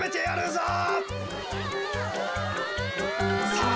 さあ！